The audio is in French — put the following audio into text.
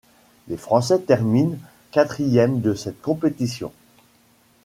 Les Français terminent quatrième de cette compétition.